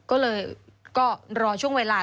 ก็เลยก็รอช่วงเวลา